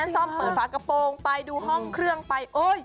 ซ่อมเปิดฝากระโปรงไปดูห้องเครื่องไป